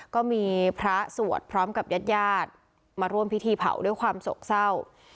ก็มีพระสวดพร้อมกับญาติญาติมาร่วมพิธีเผาด้วยความโศกเศร้า